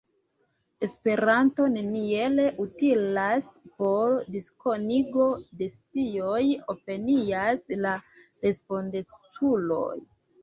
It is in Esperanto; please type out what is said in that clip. Esperanto neniel utilas por diskonigo de scioj, opinias la respondeculoj.